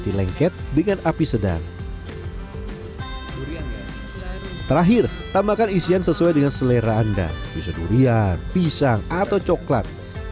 sorghum yang telah terfermentasi selama satu jam